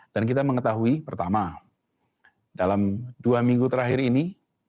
dan kita mengetahui pertama dalam dua minggu terakhir ini